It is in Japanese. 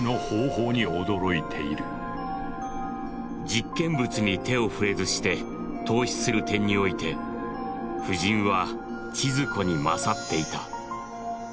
「実験物に手を触れずして透視する点に於て夫人は千鶴子に優っていた」。